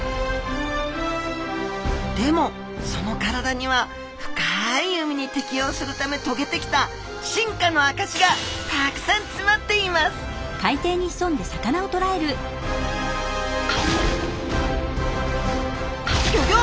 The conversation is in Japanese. でもその体には深い海に適応するためとげてきた進化のあかしがたくさんつまっていますギョギョ！